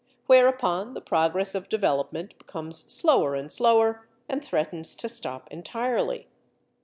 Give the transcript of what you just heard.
Whereupon the progress of development becomes slower and slower, and threatens to stop entirely.